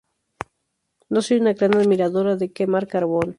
No soy una gran admiradora de quemar carbón.